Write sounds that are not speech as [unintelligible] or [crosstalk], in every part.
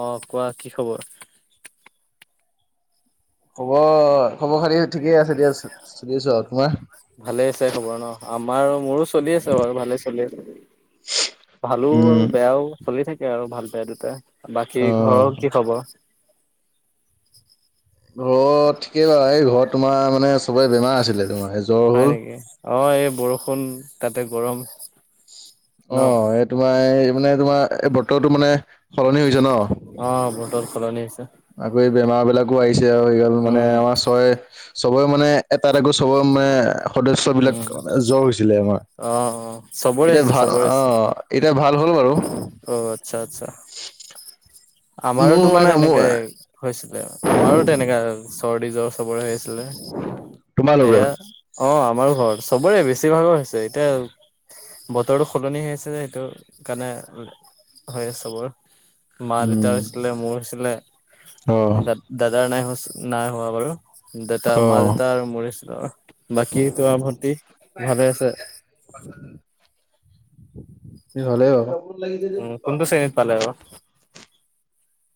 অ', কোৱা কি খবৰ? খবৰ খবৰ খালি ঠিকে আছে দিয়া চুনিছোন [unintelligible] ভালে আছে খবৰ ন। আমাৰ মোৰো চলি আছে বাৰু ভালে চলি আছে। ভালো উম। আৰু বেয়াও চলি থাকে, আৰু ভালতে দুট বাকী ঘৰৰ অ'। কি খবৰ? ঘৰত ঠিকেই বাৰু এই ঘৰত তোমাৰ মানে চবে বেমাৰ আছিলে। তোমাৰ জ্বৰ হয়। হ'ল। নেকি অ, এই বৰষুণ তাতে গৰম ন অ', এই তোমাৰ এই মানে তোমাৰ এই বতৰটো মানে সলনি হৈছে ন। অ', বটৰ সলনি হৈছে। আকৌ এই বেমাৰ বিলাকো আহিছে আৰু [unintelligible] মানে উম আমাৰ ছয় চবৰে মানে এটাত আকৌ চবৰে মানে সদস্য উম বিলাকে জ্বৰ হৈছিলে। আমাৰ অ অ চবৰে এতিয়া হৈছে ভাল চবৰে হৈছে আহ এতিয়া ভাল হ'ল বাৰু। অ', আচ্ছা, আচ্ছা, আমাৰো মোৰ টোমাৰ মানে মোৰ তেনেকেই হৈছিলে। আমাৰো তেনেকা চৰ্দি জ্বৰ চবৰে হৈছিলে। তোমালোকৰ? সেয়া অ', আমাৰ ঘৰত চবৰে বেছিভাগৰ হৈছে। এতিয়া বতৰটো সলনি হৈ আছে যে, সেইটো কাৰণে হৈ আ চবৰ মা উম, দেউতাৰ হৈছিলে। মোৰ হৈছিলে। অ', দা দাদাৰ নাই নাই হোৱা বাৰু, দেউতা মা অ'। দেউতা আৰু মৰিছিল, বাকী তোমাৰ ভণ্টি ভালে আছে? [unintelligible] হালে অ, উম', কোনটো শ্ৰেণীত পালে অ,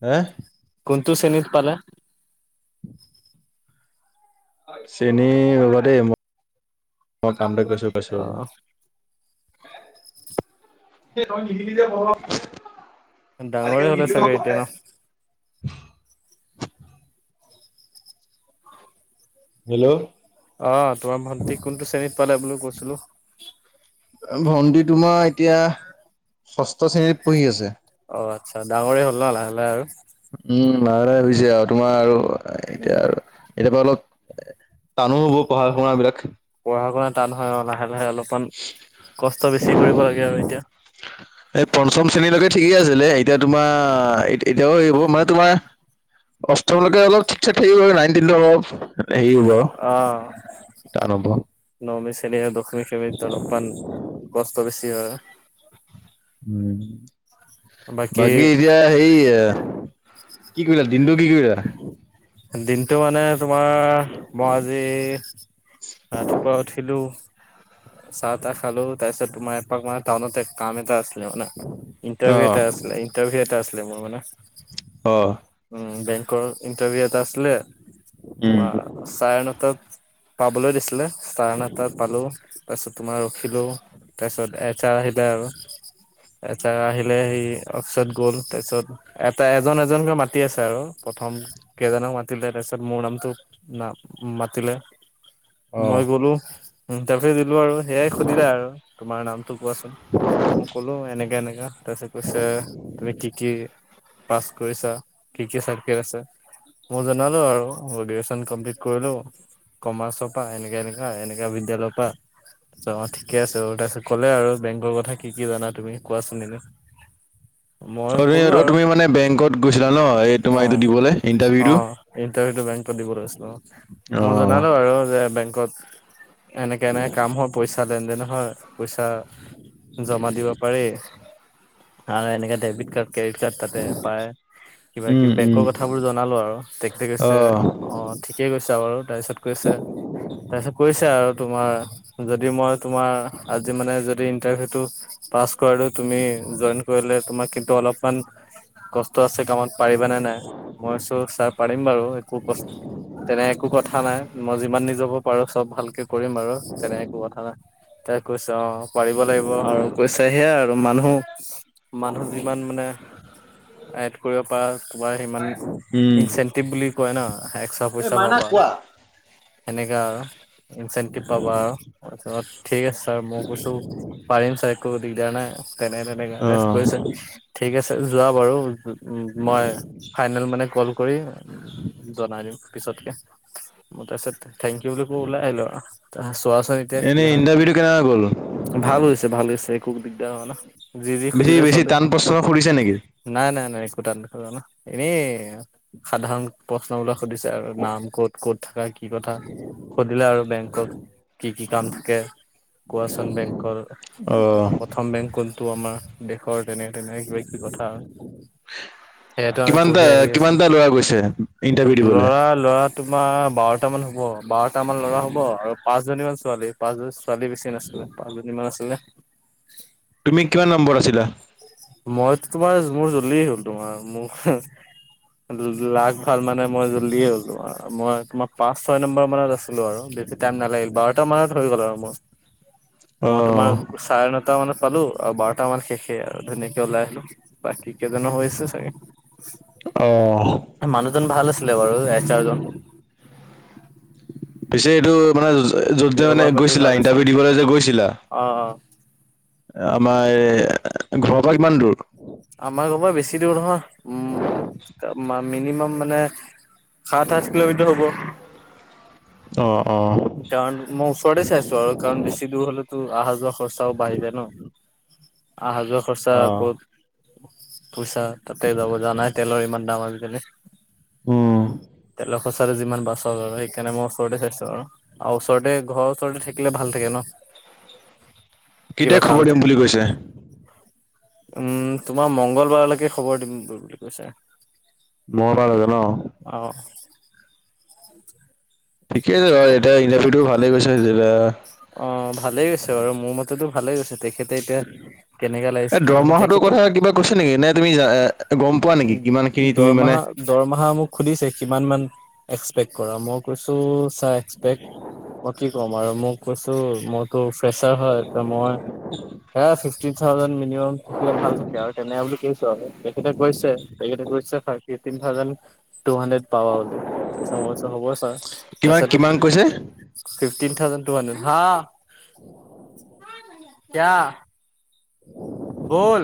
হে কোনটো শ্ৰেণীত পালে। চেনী ৰৱ দেই মই কাম কৰিছো অ কৈছোপ [unintelligible] [unintelligible] ডাঙৰে হ'লে চাগে এতিয়া ন। [unintelligible] হেল্ল', অ', তোমাৰ ভণ্টিক কোনটো শ্ৰেণীত পালে বুলি কৈছিলো। ভণ্টি তোমাৰ এতিয়া ষষ্ঠ শ্ৰেণীত পঢ়ি আছে। অ', আচ্ছা ডাঙৰেই হ'ল ন লাহে লাহে আৰু উম', লালে হৈছে, আৰু তোমাৰ আৰু এতিয়া আৰু এতিাৰ পৰা অলপ টানো হ'ব পঢ়া শুনা বিলাক পঢ়া শুনা টানহয় আৰু লাহে লাহে অলপমান কষ্ট বেছি কৰিব লাগে আৰু এতিয়া এই পঞ্চম শ্ৰেণীলৈকে ঠিকেই আছিলে। এতিয়া তোমাৰ এতিয়াও হে হব মানে তোমাৰ অষ্টমলৈকে অলপ ঠিকছে ঠিক নাইনটিনটোৰ অলপ হেৰি হ'ব আৰু অ', টান হ'ব। নমি চ ন দুখ [unintelligible] অলপমান কষ্ট বেছি হয়। উম', বাকী এতিয়া সেই কি কৰিল? দিনটো কি কৰিলা? দিনতটো মানে তোমাৰ মই আজি ৰাতিপুৱা উঠিলো। চাহ তাহ খালো তাৰপিছত তোমাৰ এপাক মানে টাউনতে কাম এটা আছে। [unintelligible] মানে ইণ্টাৰভিউ এটা অ আছিলে। ইণ্টাৰভিউ এটা আছিলে। মোৰ মানে অ'। উম, বেংকৰ ইণ্টাৰভিউ এটা আছিলে উম। তোমাৰ চাৰে নতাট পাবলৈ দিছিলে, চাৰে নটাট পালো, তাৰপিছত তোমাৰ ৰখিলো তাৰপিছত এচ আৰ আহিলে আৰু। এচ আৰ আহিলে সি অ'ফিচত গ'ল তাৰপিছত এটাই এজন এজনকে মাতি আছে আৰু প্ৰথম কেইজনক মাটিলে তাৰপাছত মোৰ নাম তো নাম মাটিলে। অ'। মই অ', গ'লো, ইণ্টাৰভিউ দিলো আৰু সেইয়াই সুধিলে আৰু। তোমাৰ নামটো কোৱাচোন? মই ক'লো এনেকা এনেকা। তাৰপিছত কৈছে তুমি কি কি পাছ কৰিছা, কি কি চাৰ্টিফিকেট আছে? মই জনালো আৰু মই গ্ৰেজুৱেচন কমপ্লিট কৰিলো কমাৰ্চৰ পৰা এনেকা এনেকা এনেকা বিদ্য়ালয়ৰ পা অ', ঠিকে আছে বাৰু, তাৰপিছত ক'লে আৰু বেংকৰ কথা কি কি জানা তুমি কোৱাচোন এনে। [unintelligible] আৰে ক'লো অ', আৰু তুমি মানে বেংকত গৈছিলা ন? এই তোমাৰ অ এইটো দিবলে ইণ্টা- অ', ইণ্টাৰভিউটো বেংকটোত দিবলৈ গৈছিলো অ'। মই অ', জনালো আৰু যে বেংকত এনেকে এনেকে কাম হয়, পইচা লেন দেন হয়, পইচা জমা দিব পাৰি আৰু এনেকে ডেবিট কাৰ্ড, ক্ৰেডিট কাৰ্ড তাতে পায় উম, কিবা-কিবি উম, বেংকৰ কথাবোৰ জ নালো আৰু তেখতে কৈছে অ', অ', ঠিকে কৈছা বাৰু তাৰপিছত কৈছে, তাৰপিছত কৈছে আৰু তোমাৰ যদি মই তোমাৰ আজি মানে যদি ইন্টাৰভিউটো পাছ কৰা তুমি জইন কৰিলে তোমাৰ কিন্তু অলপমান কষ্ট আছে কামত, পাৰিবানে নাই? মই চো ছাৰ পাৰিম বাৰু একো কষ্ট তেনে একো কথা নাই। মই যিমান নিজ পা পাৰো চব ভালকে কৰিম বাৰু তেনে একো কথা নাই, তা কৈছ অ'। পাৰিব লাগিব আৰু কৈছে সেয়া আৰু মানুহ, মানুহ যিমান মানে আয়ত কৰিব পাৰা তোমাৰ সিমান উম। ইনচেনটিভ বুলি কয় ন? এক্সট্ৰা পইচা পাবা সেনেকা আৰু। ইনচেণ্টিভ পাবা আৰু তাৰপিছত ঠিক আছে ছাৰ মই কৈছো পাৰিম ছাৰ একো দিগদাৰ নাই, এনেকে তেনেকে তাৰপাছত অ', কৈছে ঠিক আছে যোৱা বাৰু উম, মই ফাইনেল মানে কল কৰি জনাই দিম পিছতকে, মোৰ তাৰপিছত থেংক ইউ বুলি কৈ ওলাই আহিলোঁ আৰু, [unintelligible] এনেই হয় ইণ্টাৰভিউটো কেনেকা গ'ল? ভাল হৈছে, ভাল হৈছে, একো দিগদাৰ হোৱা নাই। যি যি বেছি, সুধিলে বেছি চবে টান প্ৰশ্ন শুধিছে নেকি? নাই নাই নাই একো টান খুধা নাই, এনে সাধাৰণ প্ৰশ্নবিলাক সুধিছে আৰু নাম ক'ত, ক'ত থাকা, কি কি কথা, সুধিলে আৰু বেংকত কি কি কাম থাকে। কোৱাচন বেংকৰ, অ', প্ৰথম বেংক কোনটো আমাৰ। দেশৰ তেনেক তেনেক কিবা-কিবি কথা, সেয়াটো আমি কিমানটা পঢ়ি আহি আছোঁ। কিমানটা ল'ৰা গৈছে ইণ্টাৰভিউ দিবলে? ল'ৰা ল'ৰা তোমাৰ বাৰটা মান হ'ব, বাৰটা মান ল'ৰা হ'ব আৰু পাঁচ জনী মান ছোৱালী। পাঁচজনী ছোৱালী বেছি নাছিলে পাঁচজনীমান আছিলে। তুমি কিমান নম্বৰত আছিলা? মইতো তোমাৰ মোৰ জল্ডিয়ে হ'ল, তোমাৰ মোক ল-লাক ক ভাল মানে মই জল্দিয়ে হ'লো আৰু মই তোমাক পাঁচ ছয় নম্বৰ মানত আছিলো আৰু বেছি টাইম নালাগিল বাৰটা মানত হৈ গ'ল আৰু মোৰ। মই অ', তোমাৰ চাৰে নটা মানত পালো আৰু বাৰটা মান শেষে আৰু ধুনীয়াকে ওলাই আহিলো। বাকী কেইজানো হৈছে চাগে। অ'। মানুহজন ভাল আছিলে বাৰু এচ আৰ জন। পিছে এইটো মানে য'ত যে মানে বেহবাৰ পাতি গৈছিলা ভাল আছিলে ইণ্টাৰভিউ দিবলৈ যে গৈছিলা অ অ আমাৰ এই ঘৰৰ পৰা কিমান দূৰ? আমাৰ ঘৰ পৰা বেছি দূৰ নহয়, উ মিনিমাম মানে সাত আঠ কিলোমিটাৰ হ'ব। অ-অ কাৰণ মই ওচৰতে চাইছো আৰু কাৰণ বেছি দূৰ হলেতো অহা যোৱা খৰচাও বাঢ়ি যায় ন' আহা যোৱা খৰচা ক অ'। পইচা তাতে যাব, জানায় তেলৰ ইমান দাম আজি কালি উম, তেলৰ সঁচাটো যিমান বাছক আৰু সেইকাৰণে মই ওচৰতে চাইছো আৰু আৰু ওচৰতে ঘৰৰ ওচৰতে থাকিলে ভাল থাকে ন' কেতিয়া কিবা কাম খবৰ থ দিম বুলি কৈছে? উম তোমাৰ মঙংগল বাৰলৈকে খবৰ দিম বুলি কৈছে। মঙংগল বাৰলৈকে ন' অ ঠিকেই আছে বাৰু খবৰ এতিয়া ইণ্টাৰভিউটো ভালে গৈছে, জিলা অ ভালেই গৈছে বাৰু মোৰ মতেটো ভালে গৈছে তেখেতে এতিয়া কেনেকা লাগিছে এ কি কথা দৰমহাটোৰ তেখেতে কিবা কৈছে নেকি নে তুমি জা- এ গম পোৱা নেকি কিমান খিনি তুমি মানে দৰমাহা দৰমাহা মোক সুধিছে কিমান মান এক্সপেক্ট কৰা মোক কৈছো চাই এক্সপেক্ মই কি ক'ম আৰু মোক কৈছো ম [unintelligible] ফেৰছাৰ হয়, মই এই ফিফটিন থাউজেণ্ড নিয়ম থাকিলে ভাল থাকে আৰু তেনেকে বুলি কৈছে আৰু তেখেতে কৈছে-তেখেতে-কৈছে [unintelligible] ফিফটিন থাউজণ্ড টু হণ্ড্ৰেড পাবা বুলি, তাৰপিছত মই হ'ব ছাৰ, কিমান তাৰপিছতো কিমান কৈছে সে- ফিফটিন থাউজণ্ড টু হণ্ড্ৰেড হা কিআ বল,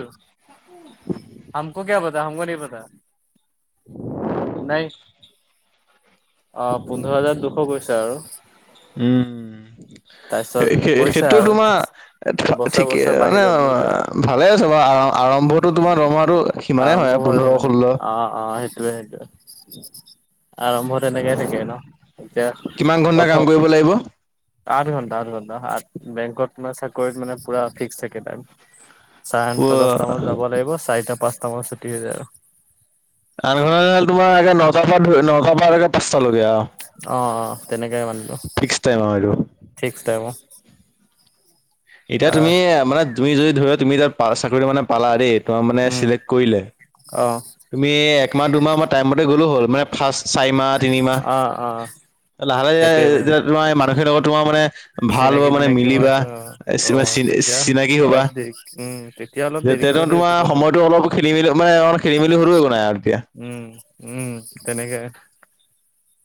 হমকো কিয়া পাতা হমকো নাহি পাতা নেই অ পোন্ধৰ হাজাৰ দুশ কৈছে আৰু উম তাৰপিছত সেই কৈছে সেইটো আৰু তোমাৰ বছৰে ঠিকে বছৰে বাঢ়ি মানে যাব বুলি কৈছে ভালে আছে বাৰু, আৰম্ভটো তোমাৰ দৰমহাটো সিমানেই হয় আৰু পোন্ধৰ ষোল্ল অ-অ সেইটোৱ-সেইটোৱ। আৰম্ভত এনেকে থাকে ন এতিয়া কিমান ঘন্টা কাম কৰিব প্ৰথম লাগিব আঠ ঘন্টা-আঠ ঘণ্টা আঠ বেংকট তোমাৰ চাকৰিত মানে পোৰা মানে ফিক্স থাকে তাত চাৰে আঠটা দশটাামত যাব লাগিব চাৰিটা পাঁচটামান ছুটি হৈ যায় আৰু আঠ ঘণ্টা তোমাৰ নগাপাৰ ধ নগাপাৰে পাঁচটালৈকে আও অ অ তেনেকাই মানিলো ফিক্স টাইম আও এইটো ফিক্স টাইম অ এতিয়া আহ তুমি মানে তুমি যদি ধৰি তুমি এাত চাকৰিটো মানে পালা দেই তোমাৰ মানে উম চিলেক্ট কৰিলে। অ তুমি একমাহ দুমাহ টাইমতে গ'লো হ'ল মানে ফাৰ্ছ চাৰি মাহ তিনিমাহ অ অ লাহে লাহে সেইটোৱে কথা যেতিয়া তোমাৰ মানুহখিনিৰ লগত তোমাৰ মানে ভাল হ'ব চিনাকি মানে তিনাকি হয় মিলিবা এ, চি- মানে অ' চিন- তেতিয়া অলপ দেৰি উম। অলপ দেৰিকৈ যেতিয়াটো গ'লেও একো তোমাৰ কথা নাই। সময়তো অলপ খেলি মেলি মানে খেলি মেলি হ'লেও একো নাই আৰু তেতিয়া। উম, উম, তেনেকে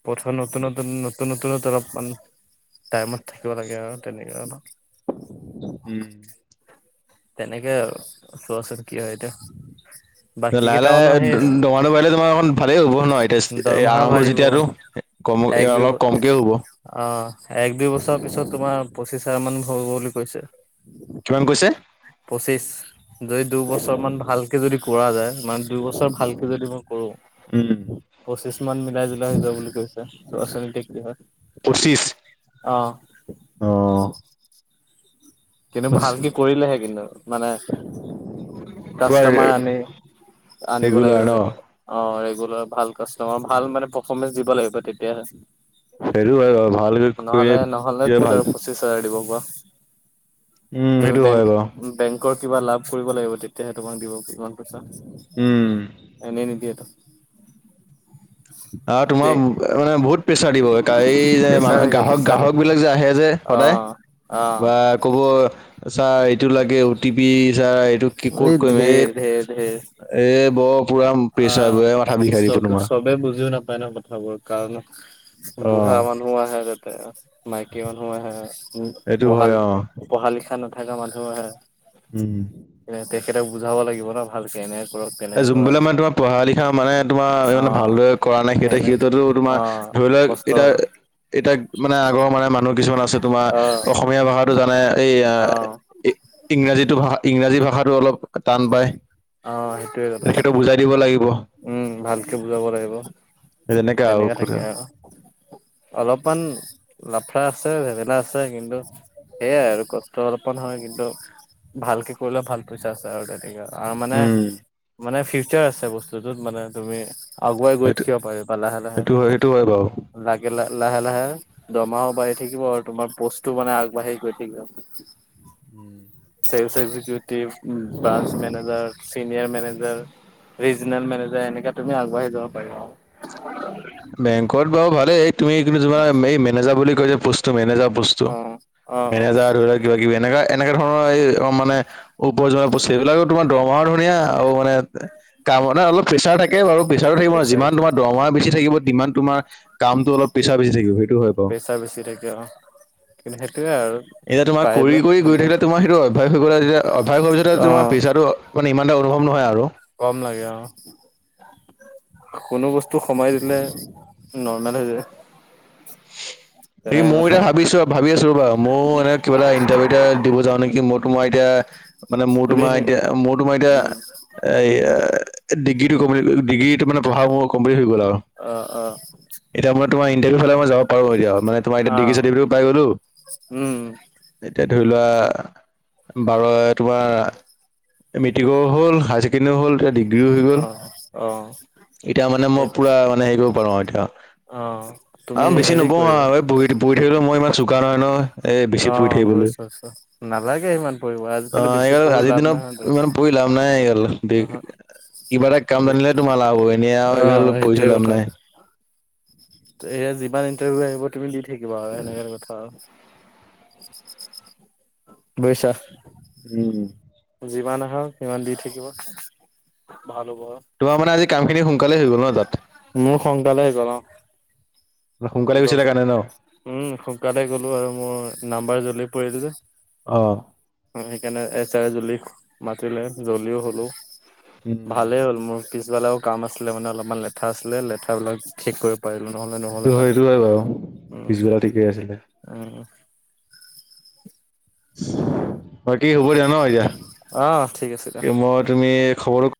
প্ৰথম নতুন নতুন নতুন নতুনত অলপমান টাইমত থাকিব লাগে আৰু তেনেকৈ অলপ। উম। তেনেকেই আৰু চোৱাচোন কি হয় এতিয়া। বাকী লাহে লাহে কেইটামানো সেই আছে দৰমহাটো বাঢ়িলে তোমাৰ অকন ভালেই হ'ব ন' এতিয়া দৰমহা আৰম্ভ বাঢ়িব যেতিয়াতো। কম এক দুই অলপ কমকে হ'ব। অ', এক দুই বছৰ পিছত তোমাৰ পঁচিছ হাজাৰ মান হ'ব গৈ বুলি কৈছে। কিমান কৈছে? পঁচিছ। যদি দুবছৰমান ভালকে যদি কৰা যায়, মানে দুইবছৰ ভালকে যদি মই কৰোঁ। উম, উম। পঁচিছমান মিলাই জোলাই হৈ যাব বুলি কৈছে, চোৱা চোন এতিয়া কি হয়। পঁচিছ? অ'। কিন্তু অ ভালকে কৰিলেহে কিন্তু মানে তোমাৰ কাষ্টমাৰ আনি, আনিব ৰেগুলাৰ লাগিব ন তেনেকে। অ', ৰেগুলাৰ ভাল কাষ্টমাৰ ভাল মানে পাৰফমেঞ্চ দিব লাগিব তেতিয়াহে। সেইটো হয় বাৰু ভালকৈ নহ'লে নহ'লে কৰিলে ভাল ক'ত আৰু পঁচিছ হাজাৰ দিব কোৱা। উম, তুমি সেইটো বেংক হয় বাৰু। বেংকৰ কিবা লাভ কৰিব লাগিব তেতিয়াহে তোমাক দিব সিমান পইচা। উম এনেই নিদিয়েটো। আৰু তোমাৰ মানে বহুত প্ৰেছাৰ দিব। এই যে গ্ৰাহক-গ্ৰাহকবিলাক যে আহে যে। সদায় অ', অ'। বা ক'ব ছাৰ এইটো লাগে অ টি পি, ছাৰ এইটো কি ক'ত কৰিম এই এই ব অ', চব-চবে বুজিও নাপায় নহয়। কথাবোৰ কাৰণ বুঢ়া অ' মানুহো আহে তাতে মাইকী মানুহো আহে। উম, এইটো হয় অ' পঢ়া-পঢ়া লিখা নাথাকা মানুহো আহে। উম। এতিয়া তেখেতক বুজাব লাগিব ন ভালকে এনেকে কৰক। তেনে এ কৰক যোনবিলাক [unintelligible] পঢ়া লিখা মানে তোমাৰ [unintelligible] অহ ভালদৰে কৰা নাই, সেই সেনে সিঁহতেটো তোমাৰ অহ ধৰি লোৱা কষ্ট এতিয়া এতিয়া মানে আগৰ মানে মানুহ কিছুমান আছে তোমাৰ অহ অসমীয়া ভাষাত জানে। এ অহ আই ইংৰাজীটো ভাষা ইংৰাজী ভাষাতো অলপ টান পায়। অ'। সেইটোয়ে ত' কথা সেইটো বুজাই দিব লাগিব। উম, ভালকে বুজাব লাগিব। সেই তেনেকে আৰু তেনেকা থাকে [unintelligible] আৰু অলপমান লাফৰা আছে, জেমেলা আছে। কিন্তু সেইয়াই আৰু কষ্ট অলপমান হয়। কিন্তু ভালকে কৰিলেও ভাল পইচা আছে আৰু তাতেই। আৰু মানে উম মানে ফিউচাৰ আছে বস্তুটোত মানে তুমি আগুৱাই গৈ সেইটো থাকিব পাৰিবা লাহে লাহে সেইটো হয় সেইটো হয় বাৰু লাগিলে লাহে লাহে। দৰমহাও বাঢ়ি থাকিব আৰু তোমাৰ পষ্টো মানে আগবাঢ়ি গৈ থাকিব। Um sales executive, branch manager. Senior manager, regional manager এনেকে তুমি আগবাঢ়ি যাব পাৰিবা আৰু। বেংকত বাৰু ভালেই, তুমি [unintelligible] তোমাৰ এই মেনেজাৰ বুলি কৈ যে পষ্টটো মেনেজাৰ পষ্ট টো, অ', অ', অ', মেনেজাৰ ধৰি লোৱা কিবা-কিবি এনেকা, এনেকা ধৰণৰ এই অ', মানে [unintelligible] পষ্টটো, এইবিলাকৰ তোমাৰ দৰমহাও ধুনীয়া আৰু মানে কাম মানে অলপ প্ৰেছাৰ থাকে বাৰু, প্ৰেছাৰ থাকিব ন' যিমান তোমাৰ দৰমহা বেছি থাকিব সিমান তোমাৰ কামটো অলপ প্ৰেছাৰ বেছি থাকিবই। প্ৰেছাৰ বেছি থাকে অ', সেইটোৱে আৰু। এতিয়া তোমাৰ কৰি, পাৰিলে কৰি গৈ থাকিলে তোমাৰ সেইটো অভ্যাস হৈ গ'লে, তেতিয়া অভাস হোৱাৰ পিছত তোমাৰ অ', প্ৰেছাৰটো মানে ইমান এটা অনুভৱ নহয় আৰু। কম লাগে অ', কোনো বস্তু সময় দিলে নৰ্মেল হৈ যায়। [unintelligible] তেনেকে ময়ো কথা এতিয়া ভাবিছোঁ ভাবি আছোঁ ৰ'বা, ময়ো মানে কিবা এটা ইটাৰভিউ এটা দিব যাওঁ নেকি, [unintelligible] মই তোমাৰ এতিয়া মানে মোৰ তুমি তোমাৰ এতিয়া মোৰ তোমাৰ এতিয়া উম, এই এ, ডিগ্ৰীটো কমপ্লিট ডিগ্ৰী মানে পঢ়া কমপ্লিট হৈ গ'ল আৰু। অ', অ'। এতিয়া মই তোমাৰ ইটাৰভিউ ফালে মই যাব পাৰোঁ, এতিয়া মানে তোমাৰ এতিয়া ডিগ্ৰি অ', চাৰ্টিফিকেটো পাই গ'লো। উম, এতিয়া ধৰি লোৱা বাৰ তোমাৰ মেট্ৰিকো হ'ল হাই ছেকেণ্ড তেনে হ'ল এতিয়া ডিগ্ৰীও হৈ গ'ল অ', অ', এতিয়া মানে মই এই পুৰা মানে হেৰি কৰিব পাৰোঁ আৰু এতিয়া। অ'। অ', তুমি বেছি হেৰি নপঢ়ো কৰিবা আৰু এই পঢ়ি পঢ়ি থাকিবলৈ মই ইমান চোকা নহয় ন' এ বেছি পঢ়ি থাকিবলৈ। আচ্ছা। অ', এই আজিৰ লাভ নহয় দিনৰত তোমাৰ ইমান পঢ়ি লাভ নাই এইগাল অহ [unintelligible] কিবা এটা কাম তুমি জানিলে তোমাল লাভ হ'ব এনে অ', আৰু পঢ়ি সেইটোয়ে চঢ়ি লাভ কথা নাই। এয়া যিমান ইণ্টাৰভিউ আহিব তুমি দি থাকিবা আৰু সেনেক কথা আৰু। বুজিছা। উম। যিমান আহাক সিমান দি থাকিব, ভাল হ'ব আৰু। তোমাৰ মানে আজি কামখিনি সোনকালে হৈ গ'ল ন' তাত। মোৰ সোনকালে হৈ গ'ল অ'। সোনকালে দশ গৈছিলে কাৰণে ন উম, সোনকালে গ'লো আৰু মোৰ নাম্বাৰ জলি পৰিল যে। অ'। অ', সেইকাৰণে এচ জুলি মাতিলে জ্বলিও হ'লো। উম। ভালেই হ'ল মোৰ পিছবেলাও কাম আছিলে মানে অলপমান লেঠা আছিলে লেঠাবিলাক ঠিক কৰিব পাৰিলো নহ'লে সেইটো হয় নহ'লেহতে সেইটো হয়, বাৰু পিছবেলা ঠিকেই আছিলে। উম, উম। বাকি হ'ব দিয়া ন' এতিয়া। অ', ঠিক আছে দে। এ মই তুমি খবৰ